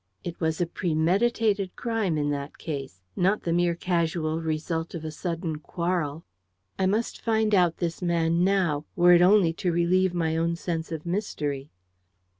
It was a premeditated crime, in that case, not the mere casual result of a sudden quarrel. I must find out this man now, were it only to relieve my own sense of mystery.